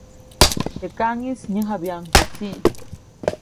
Te kaʼŋis nyäjabyaʼuŋ teʼ tsiʼ.